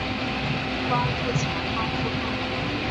光复前光复后